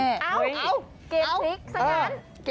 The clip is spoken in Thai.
เอ้าเกมพลิกสะกัน